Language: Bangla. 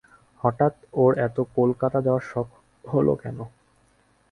হঠাৎ ওর এত কলকাতা যাওয়ার শখ হল কেন?